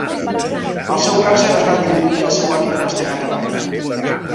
El seu càncer es va atribuir al seu hàbit de mastegar tabac.